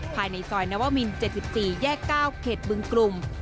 ภายในซอยนวมิน๗๔แยก๙เขตบึงกลุ่ม